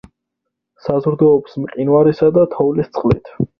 საზრდოობს მყინვარისა და თოვლის წყლით.